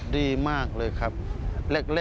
ดีมากเลยครับ